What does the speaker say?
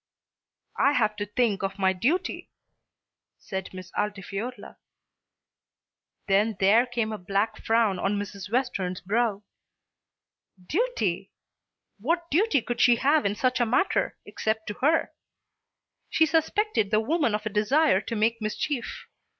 "I have to think of my duty," said Miss Altifiorla. Then there came a black frown on Mrs. Western's brow. Duty! What duty could she have in such a matter, except to her? She suspected the woman of a desire to make mischief.